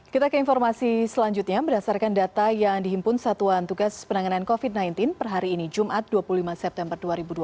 kita ke informasi selanjutnya berdasarkan data yang dihimpun satuan tugas penanganan covid sembilan belas per hari ini jumat dua puluh lima september dua ribu dua puluh